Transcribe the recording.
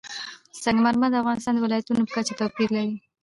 سنگ مرمر د افغانستان د ولایاتو په کچه توپیر لري.